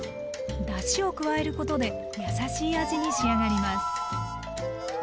だしを加えることで優しい味に仕上がります。